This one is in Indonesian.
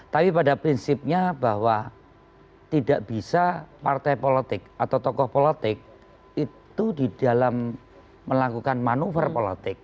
tapi pada prinsipnya bahwa tidak bisa partai politik atau tokoh politik itu di dalam melakukan manuver politik